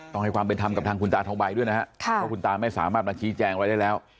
ต้องให้ความเป็นธรรมกับทางคุณตาทองใบด้วยนะครับเพราะคุณตาไม่สามารถมาชี้แจงอะไรได้แล้ว